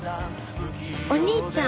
お兄ちゃん